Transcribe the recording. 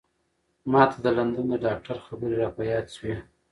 ما ته د لندن د ډاکتر خبرې را په یاد شوې.